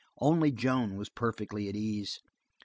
Only Joan was perfectly at ease.